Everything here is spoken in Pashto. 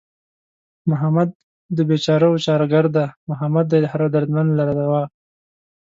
محمد د بېچارهوو چاره گر دئ محمد دئ هر دردمند لره دوا